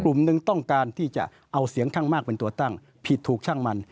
กลุ่มหนึ่งต้องการที่จะเอาเสียงข้างมากเป็นตัวตั้งผิดถูกช่างมัน